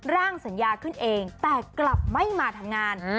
ร่างสัญญาขึ้นเองแต่กลับไม่มาทำงาน